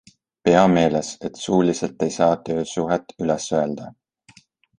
Pea meeles, et suuliselt ei saa töösuhet üles öelda.